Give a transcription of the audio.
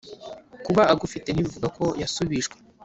kuba agufite ntibivuga ko yasubijwe